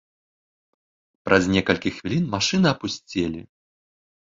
Праз некалькі хвілін машыны апусцелі.